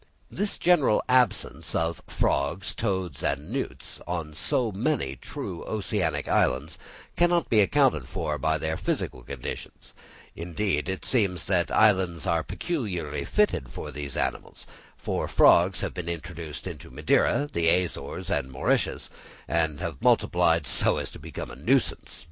This general absence of frogs, toads and newts on so many true oceanic islands cannot be accounted for by their physical conditions; indeed it seems that islands are peculiarly fitted for these animals; for frogs have been introduced into Madeira, the Azores, and Mauritius, and have multiplied so as to become a nuisance.